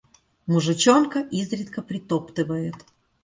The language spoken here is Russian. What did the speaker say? Мужичонка изредка притоптывает.